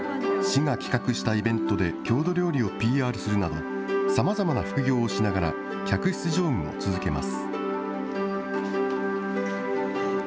市が企画したイベントで郷土料理をＰＲするなど、さまざまな副業をしながら、客室乗務を続けます。